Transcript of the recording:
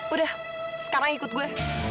udah sekarang ikut gue